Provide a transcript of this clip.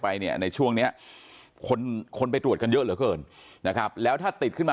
ไปในช่วงนี้คนไปตรวจกันเยอะเหลือเกินนะครับแล้วถ้าติด